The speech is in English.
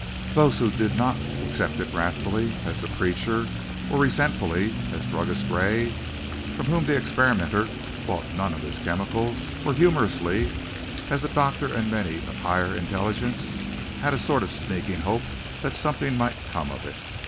Those who did not accept it wrathfully, as the preacher, or resentfully, as Druggist Gray, from whom the experimenter bought none of his chemicals, or humorously, as the doctor and many of higher intelligence, had a sort of sneaking hope that something might come of it.